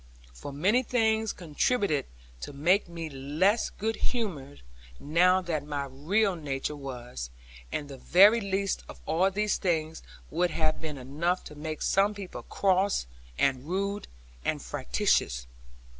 For many things contributed to make me less good humoured now than my real nature was; and the very least of all these things would have been enough to make some people cross, and rude, and fractious.